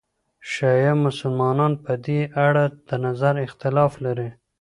شیعه مسلمانان په دې اړه د نظر اختلاف لري.